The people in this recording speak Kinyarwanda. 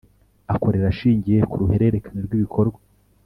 akorera ashingiye ku ruhererekane rw ibikorwa